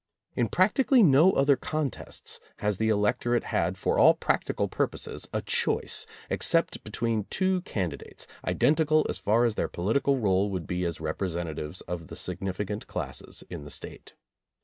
In practically no other contests has the elec torate had for all practical purposes a choice ex cept between two candidates, identical as far as their political role would be as representatives of the significant classes in the State.